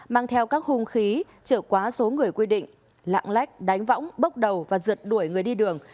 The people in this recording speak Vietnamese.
mang theo các hung khí trở quá số người quy định lạng lách đánh võng bốc đầu và rượt đuổi người đi đường